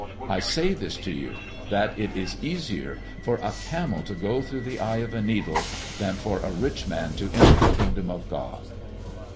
I say this to you, that it is easier for a camel to go through the eye of a needle than for a rich man to enter the kingdom of God."